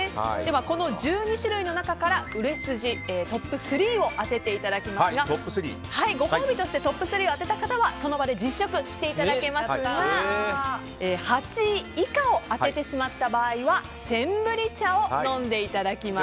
この１２種類の中から、売れ筋トップ３を当てていただきますがご褒美としてトップ３を当てた方はその場で実食していただけますが８位以下を当ててしまった人はセンブリ茶を飲んでいただきます。